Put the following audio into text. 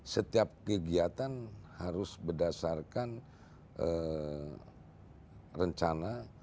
setiap kegiatan harus berdasarkan rencana